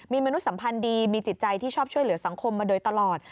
มีมนุษยสัมพันธ์ดีมีจิตใจที่ชอบช่วยเหลือสังคมมาโดยตลอด